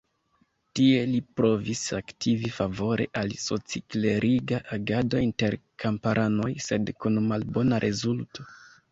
Tie li provis aktivi favore al soci-kleriga agado inter kamparanoj, sed kun malbona rezulto.